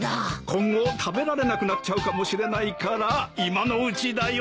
今後食べられなくなっちゃうかもしれないから今のうちだよ！